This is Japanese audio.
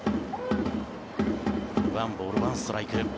１ボール１ストライク。